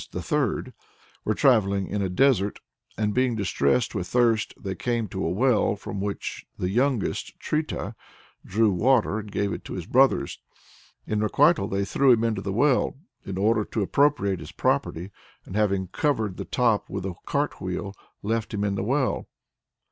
_ the third) were travelling in a desert, and being distressed with thirst, came to a well, from which the youngest, Trita, drew water and gave it to his brothers; in requital, they drew him into the well, in order to appropriate his property and having covered the top with a cart wheel, left him in the well.